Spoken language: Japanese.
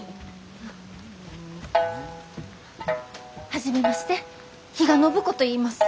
初めまして比嘉暢子といいます。